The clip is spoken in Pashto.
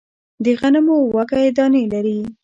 د غنمو وږی دانې لري